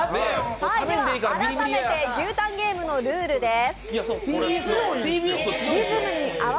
改めて牛タンゲームのルールです。